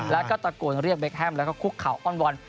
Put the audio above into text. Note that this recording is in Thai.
แล้วก็ตะโกนเรียกเบคแฮมแล้วก็คุกเข่าอ้อนวอน